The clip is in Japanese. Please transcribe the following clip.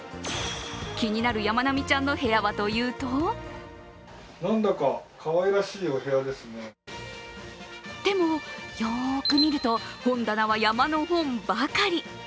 気になるやまなみちゃんの部屋はというとでもよく見ると、本棚は山の本ばかり。